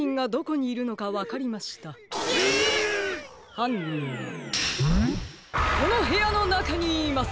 はんにんはこのへやのなかにいます！